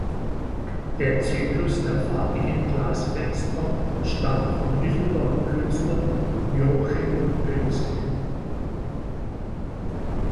Der Zyklus der farbigen Glasfenster stammt vom Düsseldorfer Künstler Jochem Poensgen.